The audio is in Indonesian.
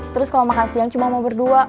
terus kalau mah kasihan cuma mau berdua